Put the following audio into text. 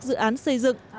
dự án xây dựng